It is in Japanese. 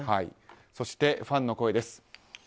そしてファンの声です。